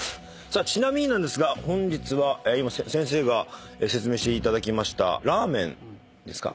ちなみになんですが本日は今先生が説明していただきましたラーメンですか？